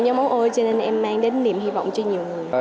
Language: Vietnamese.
nhóm máu o cho nên em mang đến niềm hy vọng cho nhiều người